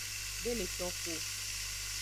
De le toxu o.